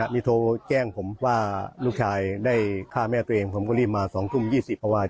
มีโทรแจ้งผมว่าลูกชายได้ฆ่าแม่ตัวเองผมก็รีบมา๒ทุ่ม๒๐เพราะว่า